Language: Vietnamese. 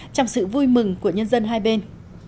trong sự vui mừng của nhân dân hai bên